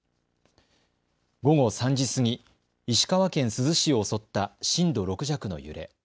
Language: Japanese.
午後３時過ぎ、石川県珠洲市を襲った震度６弱の揺れ。